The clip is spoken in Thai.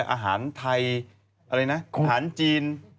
อาหารไทยอะไรนะอาหารจีน